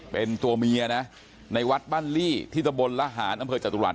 เป็นตัวเมียนะในวัดบ้านลี่ที่ตะบนระหารอำเภอจตุรัส